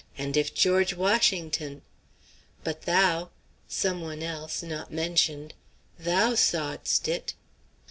And if George Washington! But thou," some one else, not mentioned, "thou sawedst it!"